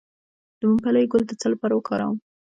د ممپلی ګل د څه لپاره وکاروم؟